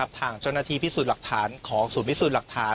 ทางเจ้าหน้าที่พิสูจน์หลักฐานของศูนย์พิสูจน์หลักฐาน